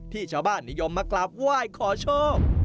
ชาวบ้านนิยมมากราบไหว้ขอโชค